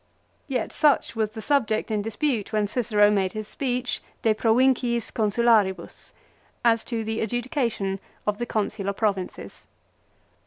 Yet such was the subject in dispute when Cicero made his speech, " De Provinciis Cousularibus," as to the adjudication of the consular provinces.